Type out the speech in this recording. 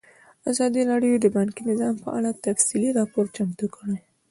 ازادي راډیو د بانکي نظام په اړه تفصیلي راپور چمتو کړی.